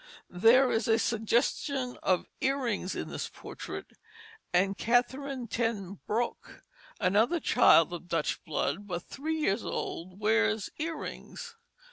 There is a suggestion of earrings in this portrait, and Katherine Ten Broeck, another child of Dutch blood, but three years old, wears earrings.